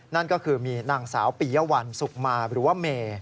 นั่นก็คือมีนางสาวปียวัลสุขมาหรือว่าเม